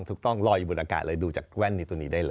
ถูกต้องลอยอยู่บนอากาศเลยดูจากแว่นนี้ตัวนี้ได้เลย